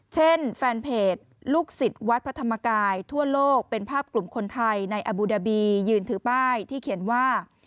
เช่นแฟนเพจลูกศิษย์วัดพระธรรมกายทั่วโลกเป็นภาพกลุ่มคนไทยในอบูดาบียืนถือป้ายที่เขียนว่า